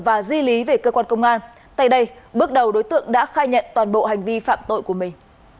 và di lý về cơ quan công an tại đây bước đầu đối tượng đã khai nhận toàn bộ hành vi phạm tội của mình